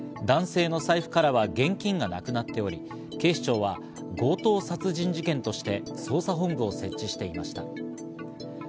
男性の財布からは現金がなくなっており、警視庁は強盗殺人事件として捜査本部を設置していました。